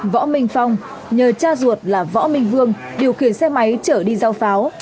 võ minh phong nhờ cha ruột là võ minh vương điều khiển xe máy chở đi giao pháo